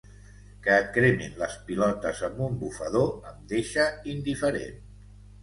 Que et cremin les pilotes amb un bufador em deixa indiferent.